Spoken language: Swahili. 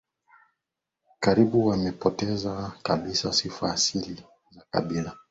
karibu wamepoteza kabisa sifa za asili za kabila